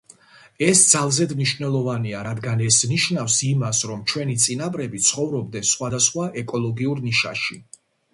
ეს ძალზედ მნიშვნელოვანია, რადგან ეს ნიშნავს იმას, რომ ჩვენი წინაპრები ცხოვრობდნენ სხვადასხვა ეკოლოგიურ ნიშაში.